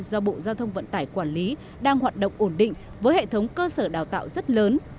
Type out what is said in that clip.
do bộ giao thông vận tải quản lý đang hoạt động ổn định với hệ thống cơ sở đào tạo rất lớn